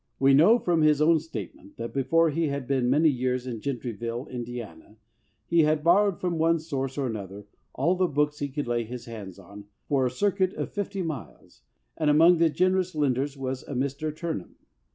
We know from his own statement that be fore he had been many years in Gentryville, Indi ana, he had borrowed from one source or another all the books he could lay his hands on for a cir cuit of fifty miles, and among the generous lenders was a Mr. Turnham.